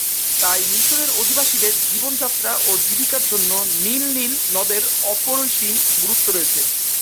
তাই মিশরের অধিবাসীদের জীবনযাত্রা ও জীবিকার জন্য নীল নীল নদের অপরিসীম গুরুত্ব রয়েছে।